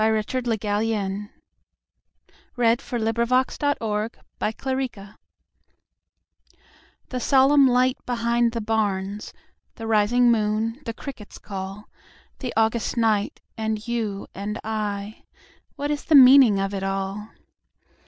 Richard Le Gallienne1866–1947 August Moonlight THE SOLEMN light behind the barns, The rising moon, the cricket's call, The August night, and you and I—What is the meaning of it all!